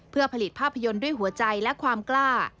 เพื่อผลิตภาพยนตร์ด้วยหัวใจและความกล้า